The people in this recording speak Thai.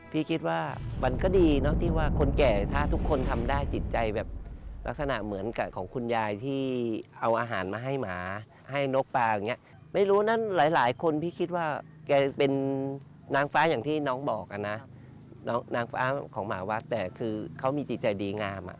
พี่คิดว่ามันก็ดี